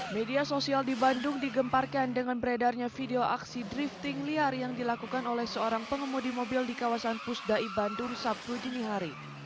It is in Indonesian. media sosial di bandung digemparkan dengan beredarnya video aksi drifting liar yang dilakukan oleh seorang pengemudi mobil di kawasan pusdai bandung sabtu dinihari